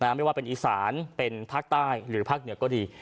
ไม่ว่าเป็นอีสานเป็นภาคใต้หรือภาคเหนือก็ดี